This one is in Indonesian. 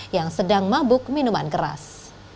yang sedang mabuk minuman keras